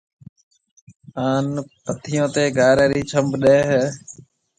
ھان پٿيو تيَ گارَي رِي ڇنڀ ڏَي ھيََََ